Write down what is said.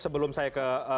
sebelum saya ke